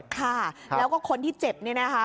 ค่ะแล้วก็คนที่เจ็บเนี่ยนะคะ